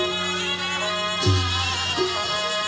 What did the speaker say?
เบอร์แสบใช่มาก